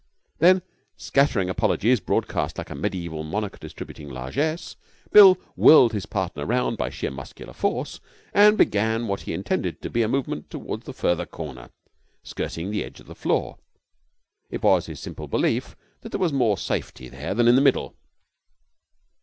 Then, scattering apologies broadcast like a medieval monarch distributing largesse, Bill whirled his partner round by sheer muscular force and began what he intended to be a movement toward the farther corner, skirting the edge of the floor. It was his simple belief that there was more safety there than in the middle.